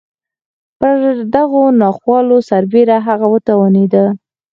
پر دغو ناخوالو سربېره هغه وتوانېده.